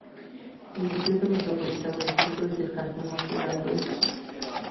El Distrito Metropolitano de Quito: es el cantón mas poblado del pais.